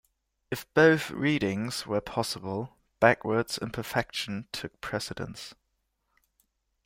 If both readings were possible, backwards imperfection took precedence.